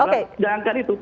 karena jangankan itu